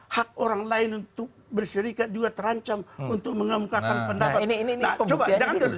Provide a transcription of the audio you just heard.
hak orang lain untuk berserikat juga terancam untuk mengemukakan pendapat